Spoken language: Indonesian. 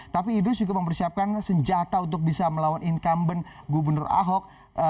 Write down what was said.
tapi idrus juga mempersiapkan senjata untuk bisa melawan incumbent gubernur ahok